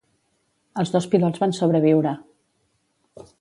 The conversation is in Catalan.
Els dos pilots van sobreviure.